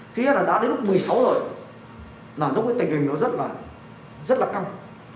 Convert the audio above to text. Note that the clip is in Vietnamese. thứ nhất là đã đến lúc một mươi sáu rồi là lúc cái tình hình nó rất là rất là căng